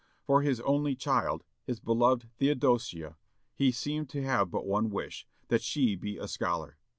For his only child, his beloved Theodosia, he seemed to have but one wish, that she be a scholar.